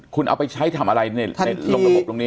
คุณเอาไปใช้ทำอะไรในระบบตรงนี้